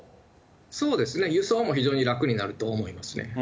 そうですね、輸送も非常に楽になると思いますね。